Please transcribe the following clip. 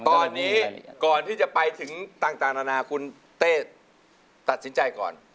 ตอนนี้ก่อนที่จะไปถึงต่างนานาคุณเต้ตัดสินใจก่อน